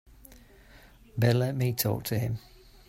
Better let me talk to him.